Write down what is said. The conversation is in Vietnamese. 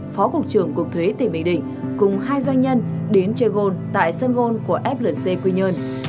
phó cục trưởng cục thuế tỉnh bình định cùng hai doanh nhân đến chơi gold tại sân gôn của flc quy nhơn